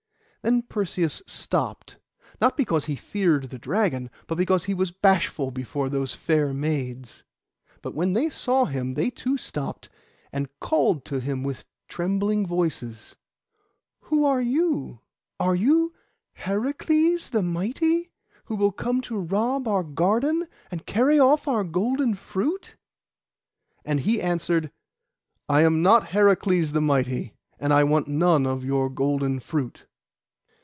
Then Perseus stopped, not because he feared the dragon, but because he was bashful before those fair maids; but when they saw him, they too stopped, and called to him with trembling voices— 'Who are you? Are you Heracles the mighty, who will come to rob our garden, and carry off our golden fruit?' And he answered— 'I am not Heracles the mighty, and I want none of your golden fruit.